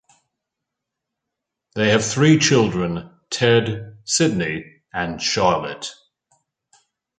They have three children: Ted, Sidney, and Charlotte.